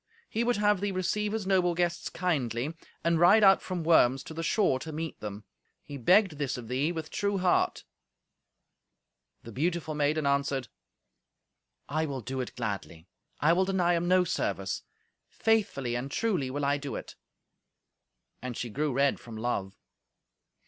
He would have thee receive his noble guests kindly, and ride out from Worms to the shore to meet them. He begged this of thee with true heart." The beautiful maiden answered, "I will do it gladly. I will deny him no service. Faithfully and truly will I do it." And she grew red from love.